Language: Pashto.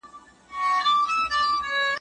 په اننګو یې د لمبو رڼا ته